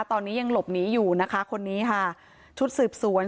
ตอนนี้ยังหลบหนีอยู่นะคะคนนี้ค่ะชุดสืบสวน